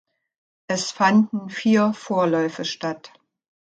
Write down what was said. Es fanden vier Vorläufe statt.